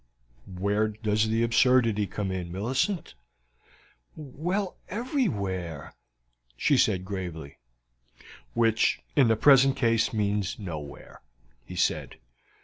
"Where does the absurdity come in, Millicent?" "Well, everywhere," she said gravely. "Which in the present case means nowhere," he said.